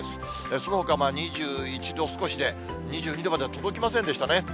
そのほか２１度少しで、２２度まで届きませんでしたね。